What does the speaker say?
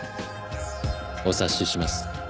お察しします。